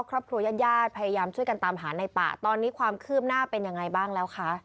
ญาติญาติพยายามช่วยกันตามหาในป่าตอนนี้ความคืบหน้าเป็นยังไงบ้างแล้วคะ